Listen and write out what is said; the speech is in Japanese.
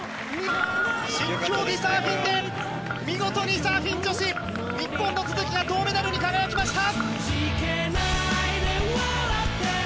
新競技サーフィンでサーフィン女子日本の都筑が銅メダルに輝きました！